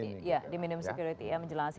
ya di minimum security ya menjelaskan